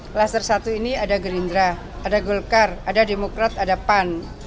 klaster satu ini ada gerindra ada golkar ada demokrat ada pan